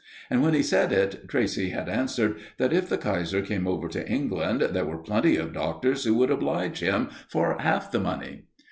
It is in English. And when he said it, Tracey had answered that if the Kaiser came over to England, there were plenty of doctors who would oblige him for half the money.